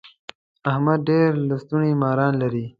احمد ډېر د لستوڼي ماران لري.